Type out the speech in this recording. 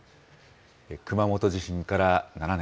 熊本地震から７年。